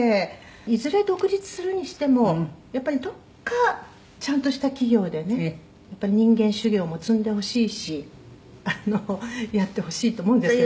「いずれ独立するにしてもやっぱりどっかちゃんとした企業でね人間修業も積んでほしいしやってほしいと思うんですけど」